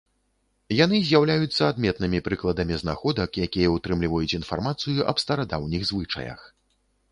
Яны з'яўляюцца адметнымі прыкладамі знаходак, якія ўтрымліваюць інфармацыю аб старадаўніх звычаях.